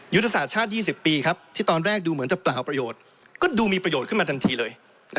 ยุทธศาสตร์ชาติ๒๐ปีครับที่ตอนแรกดูเหมือนจะเปล่าประโยชน์ก็ดูมีประโยชน์ขึ้นมาทันทีเลย